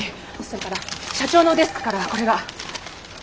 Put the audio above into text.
それから社長のデスクからこれが。